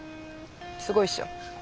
すごいっしょ。